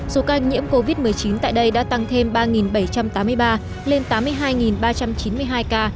số ca nhiễm covid một mươi chín tại đây đã tăng thêm ba bảy trăm tám mươi ba lên tám mươi hai ba trăm chín mươi hai ca